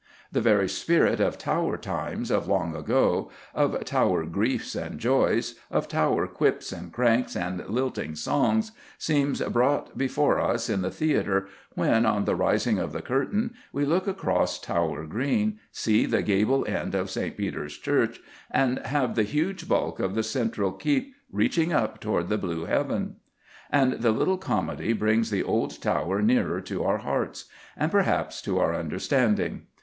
The very spirit of Tower times of long ago, of Tower griefs and joys, of Tower quips and cranks and lilting songs, seems brought before us in the theatre when, on the rising of the curtain, we look across Tower Green, see the gable end of St. Peter's Church, and have the huge bulk of the central keep reaching up toward the blue heaven. And the little comedy brings the old Tower nearer to our hearts, and, perhaps, to our understanding.